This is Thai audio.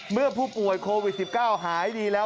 เมื่อผู้ป่วยโควิด๑๙หายดีแล้ว